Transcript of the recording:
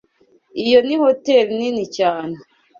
Iyo ni hoteri nini cyane